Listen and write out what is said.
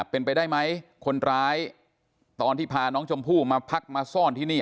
เป็นไปได้ไหมคนร้ายตอนที่พาน้องชมพู่มาพักมาซ่อนที่นี่